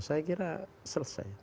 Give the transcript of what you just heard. saya kira selesai